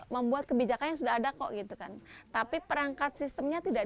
membuat kebijakan yang sudah ada kok gitu kan tapi perangkat sistemnya tidak